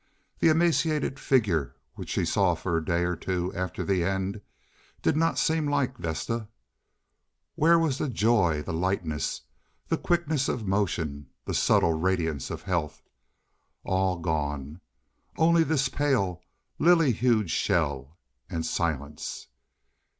The emaciated figure which she saw for a day or two after the end did not seem like Vesta. Where was the joy and lightness, the quickness of motion, the subtle radiance of health? All gone. Only this pale, lily hued shell—and silence.